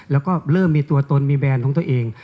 แล้วก็เริ่มมีตัวตนมีแบรนด์ของตัวเอง